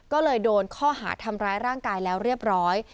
ก็เลยโดนข้อหาทำร้ายร่างกายแล้วเรียบร้อย